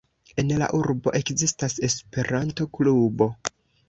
En la urbo ekzistas Esperanto-klubo.